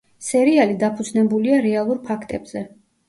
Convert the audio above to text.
სერიალი დაფუძნებულია რეალურ ფაქტებზე.